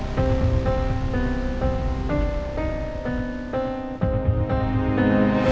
selamat tidur atta ya